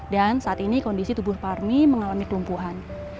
dan saat ini kondisi tubuh parmi mengalami kelumpuhan